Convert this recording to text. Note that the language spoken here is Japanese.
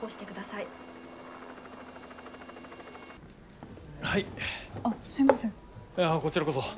いやこちらこそ。